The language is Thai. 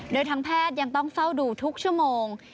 โดยทางแพทย์ยังต้องเฝ้าดูทุกชั่วโมง